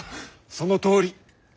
そのとおり。